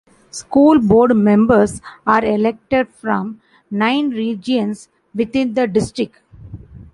School board members are elected from nine regions within the District.